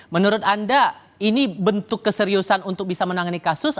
menurut anda ini bentuk keseriusan untuk bisa menangani kasus